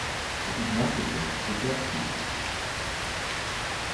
This is not the case for deaf students.